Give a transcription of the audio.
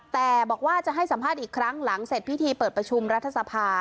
แต่บอกว่าจะให้สัมภาษณ์อีกครั้งหลังเสร็จพิธีเปิดประชุมรัฐสภา